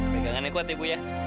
pegangannya kuat ya bu ya